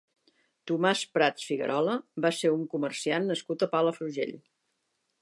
Tomàs Prats Figuerola va ser un comerciant nascut a Palafrugell.